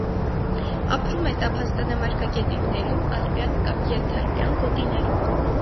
Ապրում է տափաստանամարգագետիններում, ալպյան կամ ենթալպյան գոտիներում։